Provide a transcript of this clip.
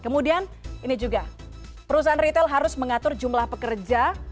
kemudian ini juga perusahaan retail harus mengatur jumlah pekerja